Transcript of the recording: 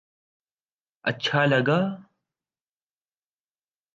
اچھا لگا